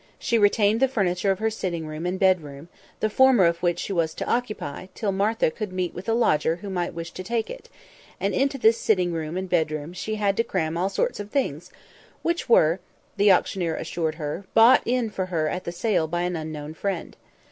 She retained the furniture of her sitting room and bedroom; the former of which she was to occupy till Martha could meet with a lodger who might wish to take it; and into this sitting room and bedroom she had to cram all sorts of things, which were (the auctioneer assured her) bought in for her at the sale by an unknown friend.